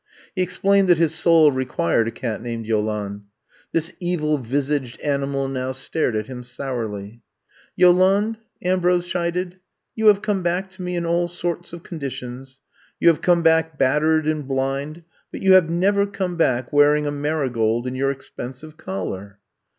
He explained that his soul required a cat named Yolande. This evil visaged aoimal now stared at him sourly. *' Yolande,*' Ambrose chided, *'you have come back to me in all sorts of conditions. You have come back battered and blind, but you have never come back wearing a mari gold in your expensive collar.'